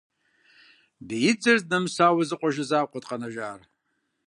Биидзэр здынэмысауэ зы къуажэ закъуэт къэнэжар.